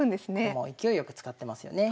駒を勢いよく使ってますよね。